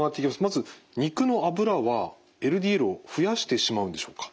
まず肉の脂はＬＤＬを増やしてしまうんでしょうか？